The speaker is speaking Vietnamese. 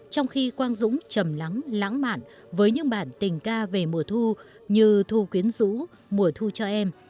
trong khi quang dũng chầm lắng lãng mạn với những bản tình ca về mùa thu như thu quyến rũ mùa thu cho em